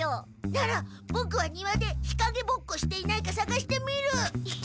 ならボクは庭で日かげぼっこしていないかさがしてみる。